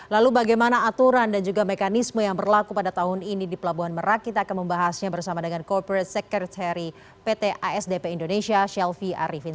lalu bagaimana aturan dan juga mekanisme yang berlaku pada tahun ini di pelabuhan merak kita akan membahasnya bersama dengan corporate secretary pt asdp indonesia shelfie arifin